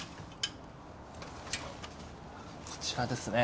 こちらですね。